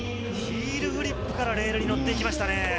ヒールフリップからレールに乗ってきましたね。